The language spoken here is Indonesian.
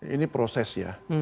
ini proses ya